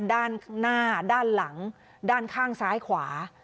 ด้านข้างด้านหลังด้านข้างซ้ายขวา